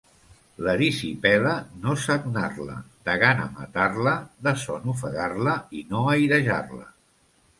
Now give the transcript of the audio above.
L'erisipela, no sagnar-la, de gana matar-la, de son ofegar-la i no airejar-la.